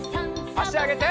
あしあげて。